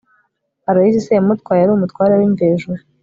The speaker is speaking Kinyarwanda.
aloyizi semutwa yari umutware w'imvejuru